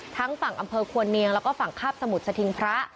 ทั้งฝั่งอำเภอควรเนียงแล้วก็ฝั่งคาบสมุทรสถิงพระ